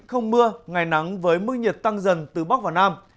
không mưa ngày nắng với mức nhiệt tăng dần từ bắc vào nam